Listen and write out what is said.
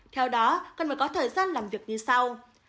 theo đó cần phải có thời gian làm việc như sau